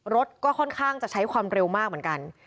รถก็ค่อนข้างจะใช้ความเร็วมากเหมือนกัน